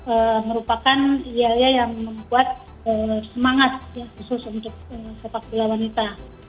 ini merupakan biaya yang membuat semangat khusus untuk sepak bola wanita